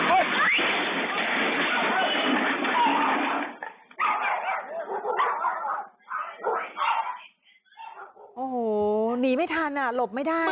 โอ้โหหนีไม่ทันอ่ะหลบไม่ได้